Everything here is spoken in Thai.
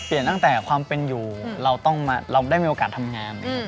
เปลี่ยนตั้งแต่ความเป็นอยู่เราต้องมาเราได้มีโอกาสทำงานนะครับ